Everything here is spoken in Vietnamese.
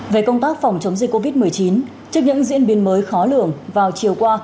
về công tác phòng chống dịch covid một mươi chín trước những diễn biến mới khó lường vào chiều qua